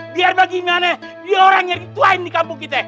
biar bagaimana dia orang yang dituain dikampung kita